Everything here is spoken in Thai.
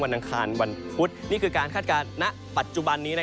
วันอังคารวันพุธนี่คือการคาดการณ์ณ